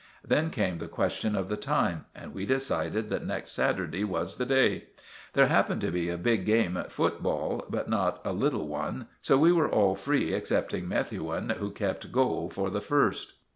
Then came the question of the time, and we decided that next Saturday was the day. There happened to be a big game at football, but not a little one, so we were all free excepting Methuen, who kept goal for the first.